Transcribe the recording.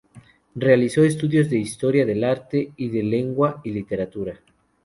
Realizó estudios de Historia del Arte y de Lengua y Literatura.